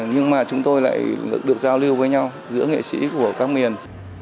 nhưng mà chúng tôi lại được giao lưu với nhau giữa nghệ sĩ của các miền